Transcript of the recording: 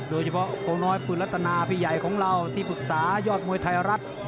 โดยเฉพาะโกงน้อยฝืนลัตนาพี่ใหญ่ของเราที่ฝึกษายอดมวยไทยรัฐ